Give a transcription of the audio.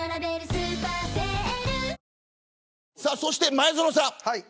前園さん